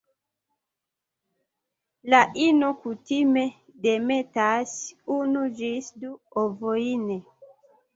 La ino kutime demetas unu ĝis du ovojn.